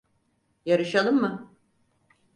Yarışalım mı?